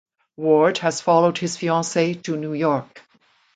Ward has followed his fiance to New York.